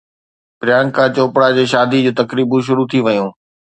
پريانڪا چوپڙا جي شادي جون تقريبون شروع ٿي ويون